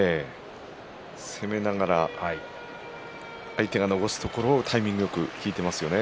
攻めながら相手が残すところをタイミングよく引いていますよね。